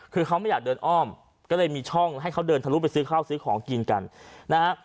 คือเขาไม่อยากเดินอ้อมก็เลยมีช่องให้เขาเดินทะลุไปซื้อข้าวซื้อของกินกันนะฮะ